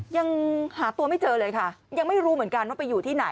ยังหาตัวไม่เจอเลยค่ะยังไม่รู้เหมือนกันว่าไปอยู่ที่ไหน